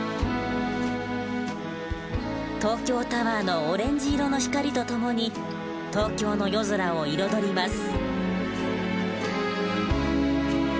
東京タワーのオレンジ色の光と共に東京の夜空を彩ります。